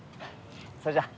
それじゃあ。